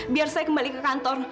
biar saya kembali ke kantor